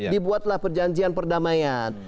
dibuatlah perjanjian perdamaian